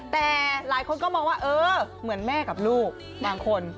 แต่หลายคนก็มองว่าเออเหมือนแม่กับลูกบางคน